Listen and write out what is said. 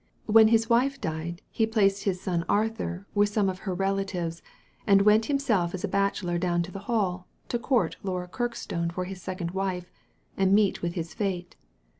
When his wife died, he placed his son Arthur with some of her relatives, and went himself as a bachelor down to the Hall, to court Laura Kirkstone for his second wife and meet with his fate.